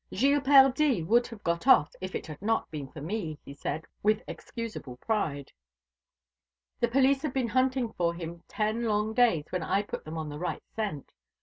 "Gilles Perdie would have got off, if it had not been for me," he said, with excusable pride. "The police had been hunting for him ten long days, when I put them on the right scent.